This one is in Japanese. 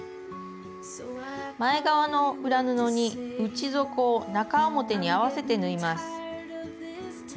前側の裏布に内底を中表に合わせて縫います。